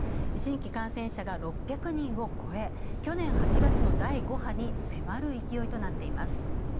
新規感染者が６００人をこえ去年８月の第５波に迫る勢いとなっています。